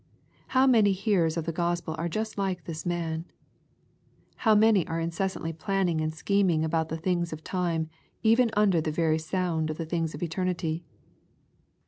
How many hearers of the Gospel are just like this man I How many are incessantly planning and schem ing about the things of time, even under the very sound of the things of eternity